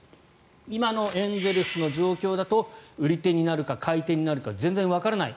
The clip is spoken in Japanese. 今のエンゼルスの状況だと売り手になるか買い手になるか全然わからない。